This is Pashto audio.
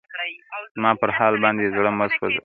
زما پر حال باندي زړه مـه ســـــوځـــــوه.